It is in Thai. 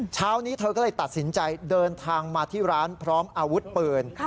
เช้านี้เธอก็เลยตัดสินใจเดินทางมาที่ร้านพร้อมอาวุธปืน